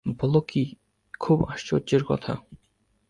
বল কী, খুবই আশ্চর্যের কথা।